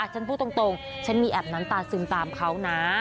ฉันพูดตรงฉันมีแอบน้ำตาซึมตามเขานะ